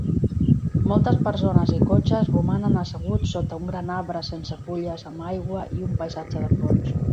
Moltes persones i cotxes romanen asseguts sota un gran arbre sense fulles amb aigua i un paisatge de fons.